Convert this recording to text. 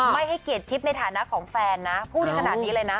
ไม่ให้เกียรติชิปในฐานะของแฟนนะพูดได้ขนาดนี้เลยนะ